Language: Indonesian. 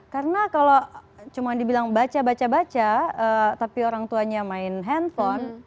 karena kalau cuma dibilang baca baca baca tapi orang tuanya main handphone